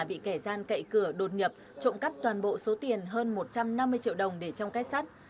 bị kẻ gian cậy cửa đột nhập trộm cắp toàn bộ số tiền hơn một trăm năm mươi triệu đồng để trong kết sắt